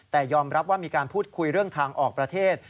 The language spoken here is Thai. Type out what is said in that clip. แต่ยอมรับว่ามีการพูดคุยเรื่องทางออกประเทศ